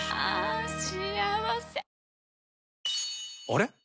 あれ？